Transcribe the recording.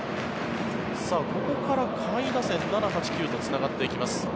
ここから下位打線７、８、９とつながっていきます。